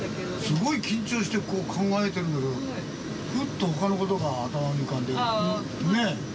すごい緊張してこう考えてるんだけどふっと他の事が頭に浮かんでねえ。